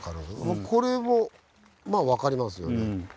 これもまあ分かりますよね。